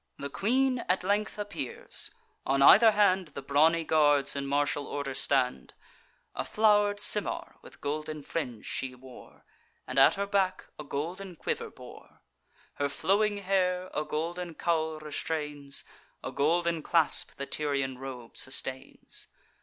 The queen at length appears; on either hand The brawny guards in martial order stand. A flow'r'd simar with golden fringe she wore, And at her back a golden quiver bore; Her flowing hair a golden caul restrains, A golden clasp the Tyrian robe sustains.